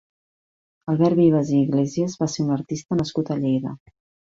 Albert Vives i Iglésias va ser un artista nascut a Lleida.